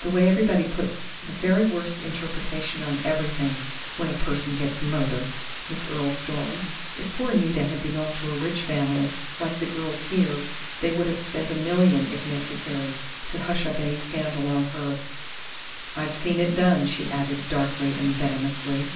"The way everybody puts the very worst interpretation on everything, when a person gets murdered!" Miss Earle stormed. "If poor Nita had belonged to a rich family, like the girls here, they would have spent a million if necessary to hush up any scandal on her!... I've seen it done!" she added, darkly and venomously.